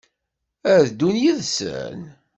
Ad d-ddun yid-sen?